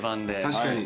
確かに。